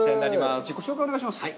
自己紹介をお願いします。